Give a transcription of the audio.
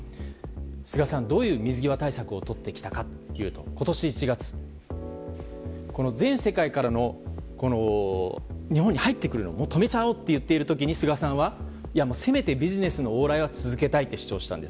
菅さん、どういう水際対策をとってきたかというと今年１月全世界から日本に入ってくるのを止めちゃうと言っている時に菅さんはせめてビジネスの往来は続けたいと主張したんです。